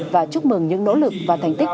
và chúc mừng những nỗ lực và thành tích